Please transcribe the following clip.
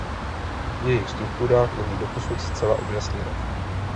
Jejich struktura není doposud zcela objasněna.